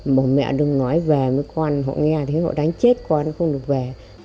một mẹ đừng nói về với con họ nghe thấy họ đánh chết con không được về